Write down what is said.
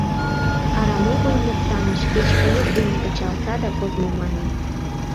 Арам огыл моктаныш: «Кеч пиет дене кычал — садак от му», — мане.